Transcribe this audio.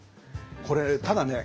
これただね